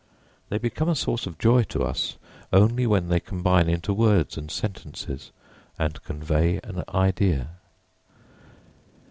They become a source of joy to us only when they combine into words and sentences and convey an idea.